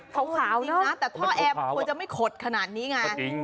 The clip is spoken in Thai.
เขาขาวนะแต่ท่อแอร์ควรจะไม่ขดขนาดนี้ไง